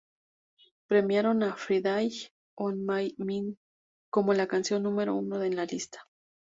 Premiaron a"Friday on My Mind" como la canción número una en la lista.